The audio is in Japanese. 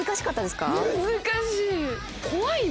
難しい。